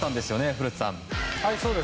古田さん。